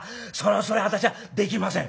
それは私はできません」。